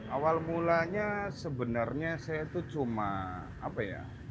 awal mulanya sebenarnya saya itu cuma apa ya